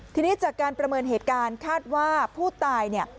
ทีนี้จากการประเมินเหตุการณ์คาดว่าผู้ตายเนี่ย